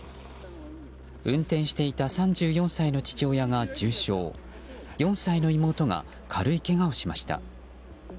運転していた３４歳の父親が重傷４歳の妹が軽いけがをしました。